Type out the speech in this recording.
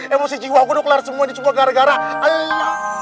emosi jiwa gua udah keluar semua ini cuma gara gara elo